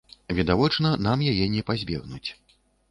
Відавочна, нам яе не пазбегнуць.